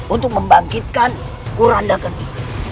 untuk membangkitkan kuranda gemi